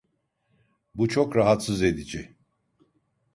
Bu çok rahatsız edici.